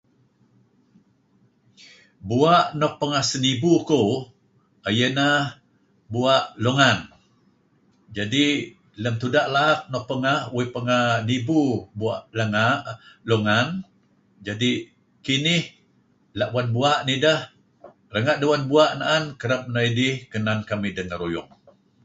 Buah nuk pangah sanibu kuh iyah inah, buah lugan. jadih lam tudah laak nuk pangah, uih pangah nah nibu buah[lang..]lugan, jadi kinih lah uwan buah nidah, rangah dah uwan bauh naan, kareb nidih kanan kamih dangaruyung.